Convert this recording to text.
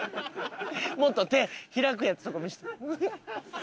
もっと手開くやつとか見せて。